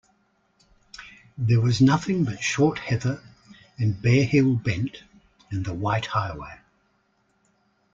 There was nothing but short heather, and bare hill bent, and the white highway.